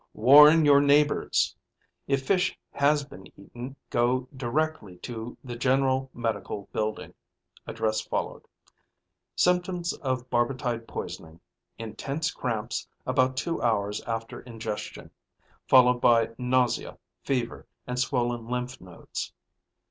WARN YOUR NEIGHBORS! If fish has been eaten, go directly to the General Medical building (address followed). Symptoms of barbitide poisoning: intense cramps about two hours after ingestion, followed by nausea, fever, and swollen lymph nodes.